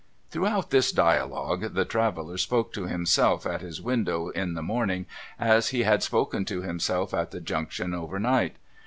Throughout this dialogue, the traveller spoke to himself at his window in the morning, as he had spoken to himself at the Junction overnight.